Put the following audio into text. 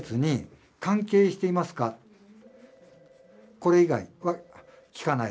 これ以外は聞かない。